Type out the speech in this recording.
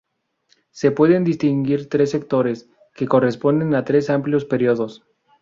Se pueden distinguir tres sectores que corresponden a tres amplios periodos.